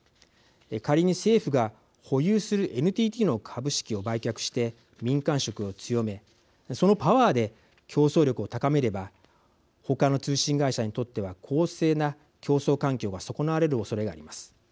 仮に政府が保有するＮＴＴの株式を売却して民間色を強めそのパワーで競争力を高めればほかの通信会社にとっては公正な競争環境が損なわれるおそれがあります。